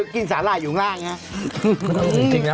กินสาหร่ายอยู่ข้างล่างครับ